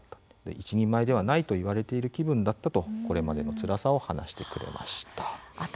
一人前ではないと言われている気分だったとこれまでのつらさを話してました。